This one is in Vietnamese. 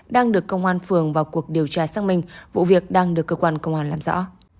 đang được công an phường vào cuộc điều tra xác minh vụ việc đang được cơ quan công an làm rõ